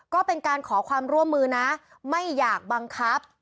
ก็เป็นการขอความร่วมมือนะไม่อยากบังคับ